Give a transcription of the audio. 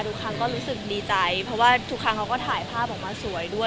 ทุกครั้งก็รู้สึกดีใจเพราะว่าทุกครั้งเขาก็ถ่ายภาพออกมาสวยด้วย